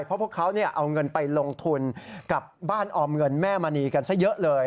เพราะพวกเขาเอาเงินไปลงทุนกับบ้านออมเงินแม่มณีกันซะเยอะเลย